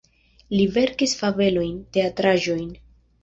Li verkis fabelojn, teatraĵojn.